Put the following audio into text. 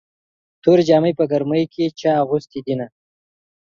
تورې جامې په ګرمۍ چا اغوستې دينه